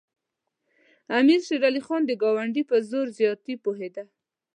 امیر شېر علي خان د ګاونډي په زور زیاتي پوهېده.